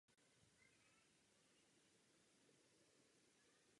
Georgij se s matkou dostal po revoluci z Ruska a usadil se ve Francii.